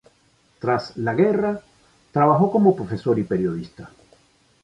Tras la guerra trabajó como profesor y periodista.